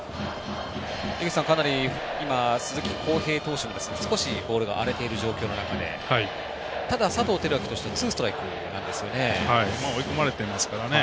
井口さん、かなり今、鈴木康平投手の少しボールが荒れている状況の中でただ、佐藤輝明としてツーストライクなんですよね。